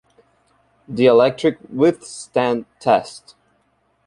Dielectric Withstand Test.